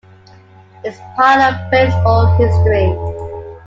It's part of baseball history.